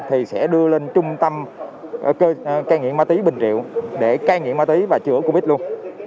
thì sẽ đưa lên trung tâm cai nghiện ma túy bình triệu để cai nghiện ma túy và chữa covid luôn